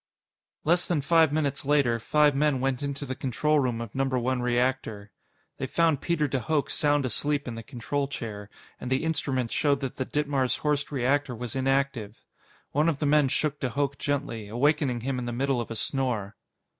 Less than five minutes later, five men went into the control room of Number One Reactor. They found Peter de Hooch sound asleep in the control chair, and the instruments showed that the Ditmars Horst reactor was inactive. One of the men shook de Hooch gently, awakening him in the middle of a snore.